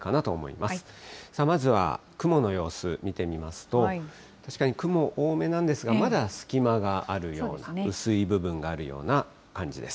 まずは雲の様子、見てみますと、確かに雲、多めなんですが、まだ隙間があるよう、薄い部分があるような感じです。